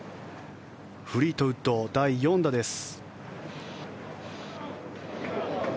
フリートウッド、第４打です。